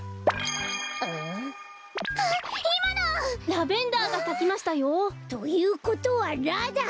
ラベンダーがさきましたよ。ということはラだ！